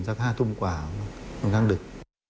สัก๕ทุ่มกว่าบางครั้งดึก